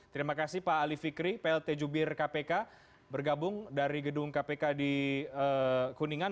terima kasih pak ali fikri plt jubir kpk bergabung dari gedung kpk di kuningan